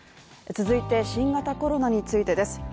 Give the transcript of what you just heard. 続いて新型コロナについてです。